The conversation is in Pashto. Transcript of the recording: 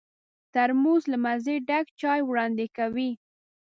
ترموز له مزې ډک چای وړاندې کوي.